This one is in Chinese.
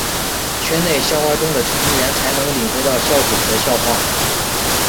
圈内笑话中的成员才能领会到笑点的笑话。